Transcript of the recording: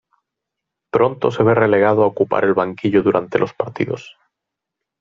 Pronto se ve relegado a ocupar el banquillo durante los partidos.